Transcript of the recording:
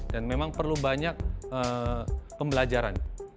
dan memang perlu banyak pembelajaran